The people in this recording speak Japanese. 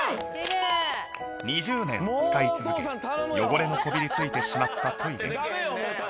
２０年使い続け汚れのこびり付いてしまったトイレが。